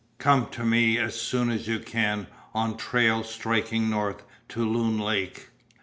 Cum to me as soon as you can on trail striking north to Loon Lake.